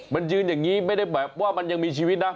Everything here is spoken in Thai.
มันยืนอย่างนี้ไม่ได้แบบว่ามันยังมีชีวิตนะ